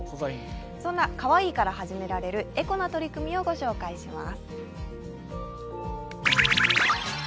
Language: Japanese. そんな「かわいい」から始められるエコな取り組みを紹介します。